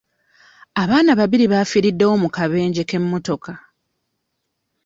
Abaana babiri bafiiriddewo mu kabenje k'emmotoka.